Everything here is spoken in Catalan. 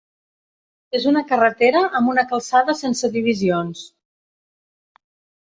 És una carretera amb una calçada sense divisions.